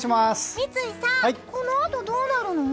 三井さん、このあとどうなるの？